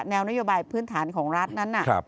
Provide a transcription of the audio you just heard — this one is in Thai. นโยบายพื้นฐานของรัฐนั้น